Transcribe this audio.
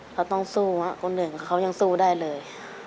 เราต้องสู้คนหนึ่งเขายังสู้ได้เลย